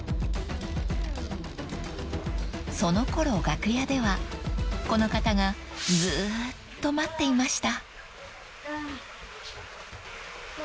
［そのころ楽屋ではこの方がずっと待っていました］